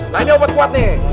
nah ini obat kuat nih